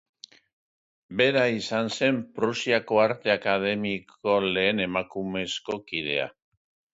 Bera izan zen Prusiako Arte Akademiako lehen emakumezko kidea.